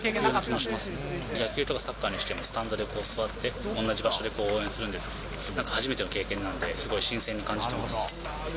野球とかサッカーにしても、スタンドで座って、同じ場所で応援するんですけど、初めての経験なんで、すごい新鮮に感じてます。